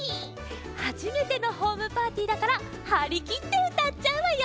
はじめてのホームパーティーだからはりきってうたっちゃうわよ。